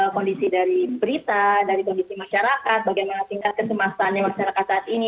kondisi dari berita dari kondisi masyarakat bagaimana tingkat kecemasannya masyarakat saat ini